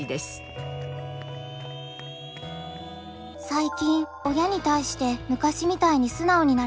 最近親に対して昔みたいに素直になれません。